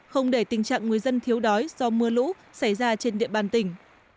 không để tình trạng người dân thiếu đói do mưa lũ xảy ra trên địa bàn tỉnh